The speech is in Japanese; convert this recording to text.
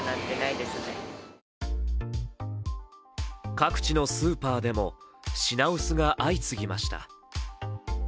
各地のスーパーでも品薄が相次ぎました。